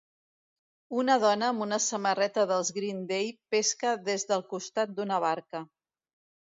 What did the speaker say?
Una dona amb una samarreta dels Green Day pesca des del costat d'una barca.